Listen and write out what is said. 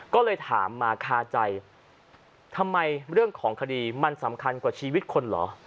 ก็เลยถามมาคาใจทำไมเรื่องของคดีมันสำคัญกว่าชีวิตคนเหรอ